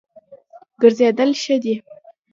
ګرځېدل ښه دی.